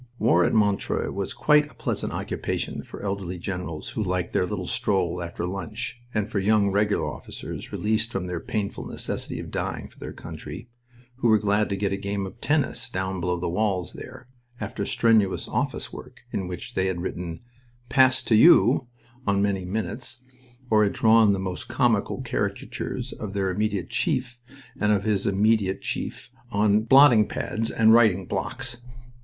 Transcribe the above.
War at Montreuil was quite a pleasant occupation for elderly generals who liked their little stroll after lunch, and for young Regular officers, released from the painful necessity of dying for their country, who were glad to get a game of tennis, down below the walls there, after strenuous office work in which they had written "Passed to you" on many "minutes," or had drawn the most comical caricatures of their immediate chief, and of his immediate chief, on blotting pads and writing blocks.